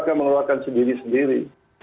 lembaga mengeluarkan sendiri sendiri